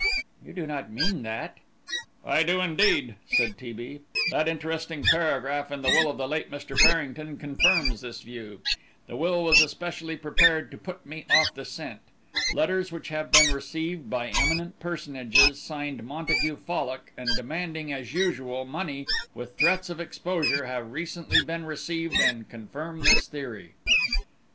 "You do not mean that?" "I do indeed," said T. B. "That interesting paragraph in the will of the late Mr. Farrington confirms this view. The will was especially prepared to put me off the scent. Letters which have been received by eminent personages signed 'Montague Fallock' and demanding, as usual, money with threats of exposure have recently been received and confirm this theory."